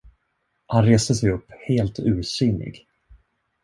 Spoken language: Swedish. Han reste sig upp, helt ursinnig.